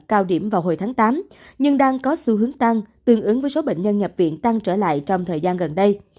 cao điểm vào hồi tháng tám nhưng đang có xu hướng tăng tương ứng với số bệnh nhân nhập viện tăng trở lại trong thời gian gần đây